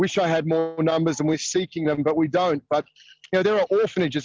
dan saya berharap saya memiliki lebih banyak nomor dan kami mencari mereka tapi kami tidak